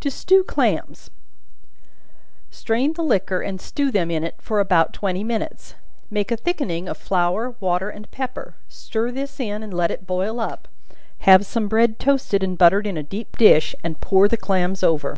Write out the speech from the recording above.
To Stew Clams. Strain the liquor and stew them in it for about twenty minutes; make a thickening of flour, water and pepper; stir this in and let it boil up; have some bread toasted and buttered in a deep dish, and pour the clams over.